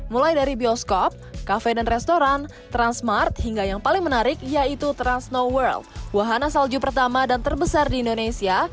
mulai dari bioskop kafe dan restoran transmart hingga yang paling menarik yaitu trans snow world wahana salju pertama dan terbesar di indonesia